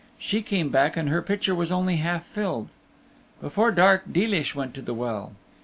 She came back and her pitcher was only half filled. Before dark Deelish went to the well.